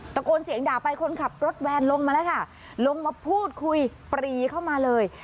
ตะโกนเสียงด่าไปคนขับรถแวนลงมาแล้วค่ะลงมาพูดคุยปรีเข้ามาเลย